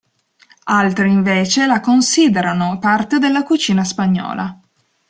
Altri invece la considerano parte della cucina spagnola.